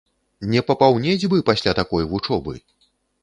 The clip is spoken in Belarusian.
Не папаўнець бы пасля такой вучобы.